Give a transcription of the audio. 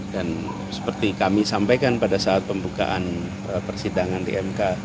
dan seperti kami sampaikan pada saat pembukaan persidangan di mk